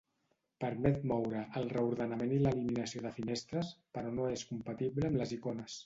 Permet moure, el reordenament i l'eliminació de finestres, però no és compatible amb les icones.